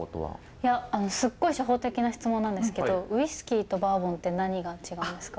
いやすっごい初歩的な質問なんですけどウイスキーとバーボンって何が違うんですか？